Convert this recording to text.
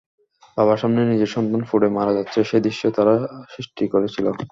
বাবার সামনে নিজের সন্তান পুড়ে মারা যাচ্ছে—সেই দৃশ্য তারা সৃষ্টি করেছিল।